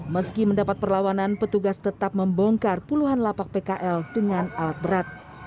meski mendapat perlawanan petugas tetap membongkar puluhan lapak pkl dengan alat berat